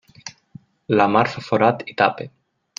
La mar fa forat i tapa.